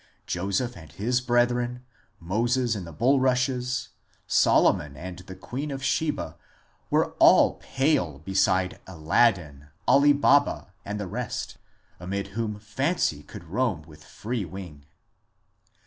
Joseph and his Brethren, Moses in the Bulrushes, Solomon and the Queen of Sheba, were all pale beside Aladdin, Ali Baba, and the rest, amid whom fancy could roam with free wing.